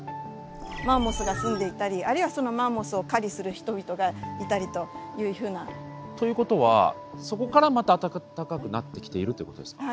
マンモスが住んでいたりあるいはそのマンモスを狩りする人々がいたりというふうな。ということはそこからまた暖かくなってきているということですか。